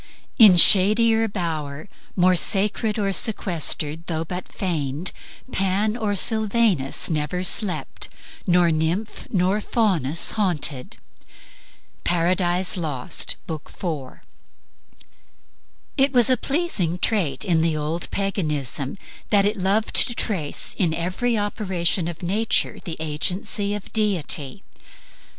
In shadier bower, More sacred or sequestered, though but feigned, Pan or Sylvanus never slept, nor nymph Nor Faunus haunted." Paradise Lost, B. IV. It was a pleasing trait in the old Paganism that it loved to trace in every operation of nature the agency of deity.